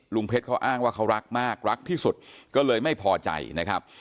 เพชรเขาอ้างว่าเขารักมากรักที่สุดก็เลยไม่พอใจนะครับ